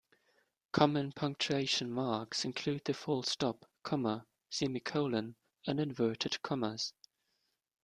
Common punctuation marks include the full stop, comma, semicolon, and inverted commas